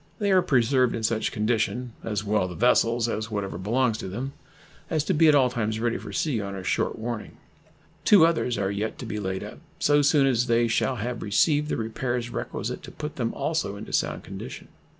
They are preserved in such condition, as well the vessels as whatever belongs to them, as to be at all times ready for sea on a short warning. Two others are yet to be laid up so soon as they shall have received the repairs requisite to put them also into sound condition.